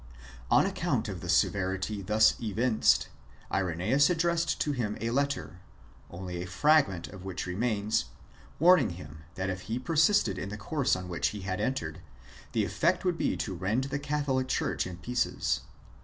On account of the severity thus evinced, Irenoeus addressed to him a letter (only a fragment of which remains), warning him that if he persisted in the course on w^hicli he had entered, the effect would be to rend the Catholic Church in pieces.